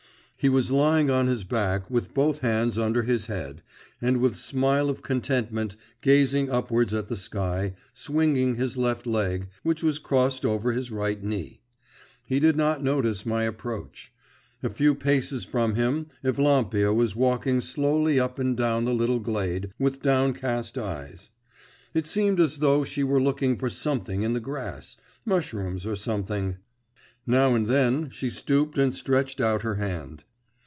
He was lying on his back, with both hands under his head, and with smile of contentment gazing upwards at the sky, swinging his left leg, which was crossed over his right knee. He did not notice my approach. A few paces from him, Evlampia was walking slowly up and down the little glade, with downcast eyes. It seemed as though she were looking for something in the grass mushrooms or something; now and then, she stooped and stretched out her hand.